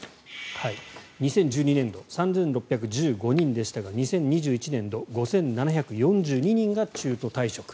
２０１２年度３６１５人でしたが２０２１年度、５７４２人が中途退職。